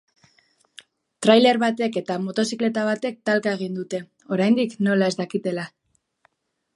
Trailer batek eta motozikleta batek talka egin dute, oraindik nola ez dakitela.